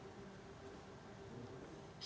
menyampaikan mohon maafkan saya